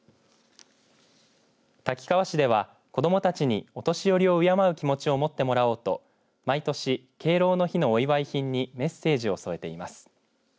滝川市では子どもたちにお年寄りを敬う気持ちを持ってもらおうと毎年、敬老の日のお祝い品にメッセージを添えています。